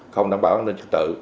không đảm bảo an ninh trật tự